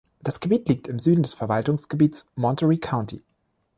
Das Gebiet liegt im Süden des Verwaltungsgebiet Monterey County.